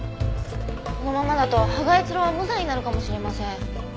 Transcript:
このままだと芳賀悦郎は無罪になるかもしれません。